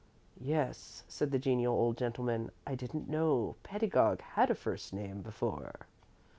'" "Yes," said the genial old gentleman. "I didn't know Pedagog had a first name before."